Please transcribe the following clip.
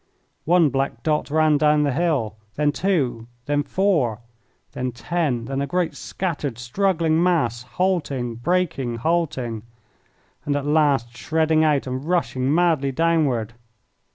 One black dot ran down the hill, then two, then four, then ten, then a great, scattered, struggling mass, halting, breaking, halting, and at last shredding out and rushing madly downward.